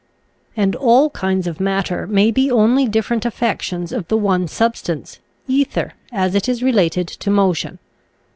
And all kinds of matter may be only differ ent affections of the one substance, ether, as it is related to motion.